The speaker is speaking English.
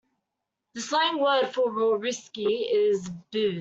The slang word for raw whiskey is booze.